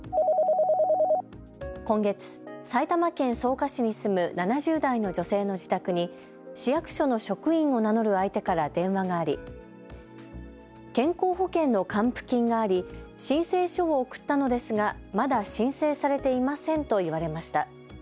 今月、埼玉県草加市に住む７０代の女性の自宅に市役所の職員を名乗る相手から電話があり健康保険の還付金があり申請書を送ったのですがまだ申請されていませんと言われました。